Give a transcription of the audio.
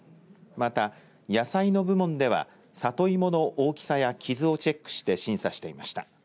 また、野菜の部門では里芋の大きさや傷をチェックして審査していました。